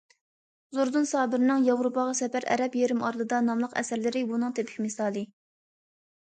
زوردۇن سابىرنىڭ‹‹ ياۋروپاغا سەپەر››،‹‹ ئەرەب يېرىم ئارىلىدا›› ناملىق ئەسەرلىرى بۇنىڭ تىپىك مىسالى.